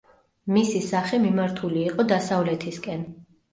მისი სახე მიმართული იყო დასავლეთისკენ.